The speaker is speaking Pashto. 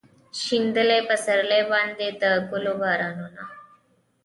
شیندلي پسرلي باندې د ګلو بارانونه